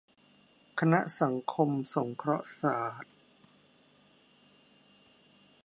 คณะสังคมสงเคราะห์ศาสตร์